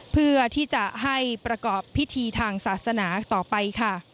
เพื่อที่จะให้ประกอบพิธีทางศาสนาต่อไปค่ะ